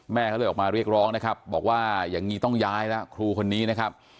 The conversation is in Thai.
เขาเลยออกมาเรียกร้องนะครับบอกว่าอย่างนี้ต้องย้ายแล้วครูคนนี้นะครับ